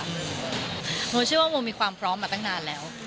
เชื่อว่าโมมีความพร้อมมาตั้งนานแล้ว